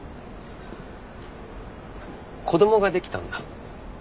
子どもができたんだ。